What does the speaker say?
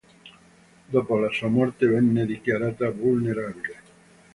Dopo la sua morte venne dichiarata venerabile.